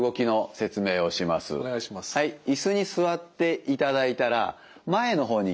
はい椅子に座っていただいたら前の方にいきます。